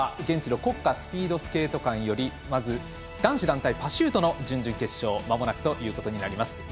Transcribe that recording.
現地の国家スピードスケート館よりまず、男子団体パシュートの準々決勝まもなくということになります。